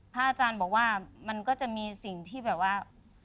อาจารย์บอกว่ามันก็จะมีสิ่งที่แบบว่า